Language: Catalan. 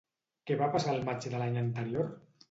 Què va passar el maig de l'any anterior?